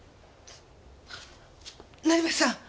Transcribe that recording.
成増さん